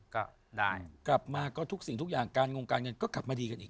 ก็ได้กลับมาก็ทุกสิ่งทุกอย่างการงงการเงิน